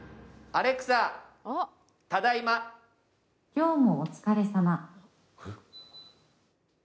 今日もお疲れさま。